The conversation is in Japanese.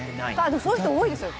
そういう人多いですよね。